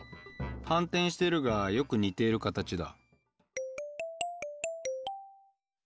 反転してるがよく似ている形だ。